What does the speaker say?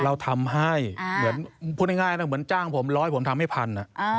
เราทำให้เหมือนพูดง่ายนะเหมือนจ้างผมร้อยผมทำให้พัน